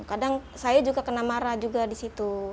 kadang saya juga kena marah juga disitu